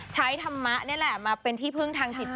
ธรรมะนี่แหละมาเป็นที่พึ่งทางจิตใจ